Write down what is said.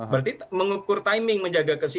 berarti mengukur timing menjaga kesiapan